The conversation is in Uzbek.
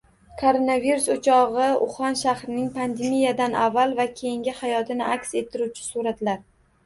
Koronavirus o‘chog‘i Uxan shahrining pandemiyadan avval va keyingi hayotini aks ettiruvchi suratlar